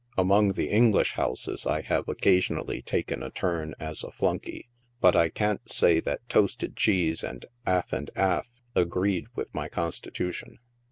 Among the English houses I have occasionally taken a turn as a flunkey, but I can't say that toasted cheese and 'alf and 'alf agreed with my constitution.